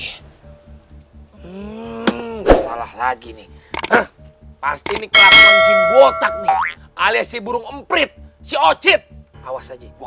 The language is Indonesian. ya enggak salah lagi nih pasti nih keren botak alias si burung emprit si ocit awas aja gua